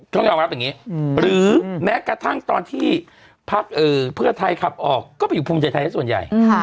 ต้องยอมรับอย่างนี้หรือแม้กระทั่งตอนที่พักเพื่อไทยขับออกก็ไปอยู่ภูมิใจไทยส่วนใหญ่